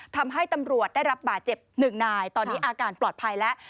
ทำให้ตำรวจได้รับบาดเจ็บหนึ่งนายตอนนี้อาการปลอดภัยแล้ว